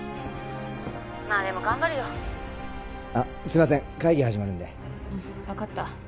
☎まあでも頑張るよあっすいません会議始まるんでうん分かった